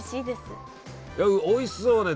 おいしそうね